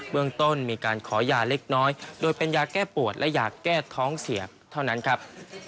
เมืองต้นมีการขอยาเล็กน้อยโดยเป็นยาแก้ปวดและยาแก้ท้องเสียบเท่านั้นครับ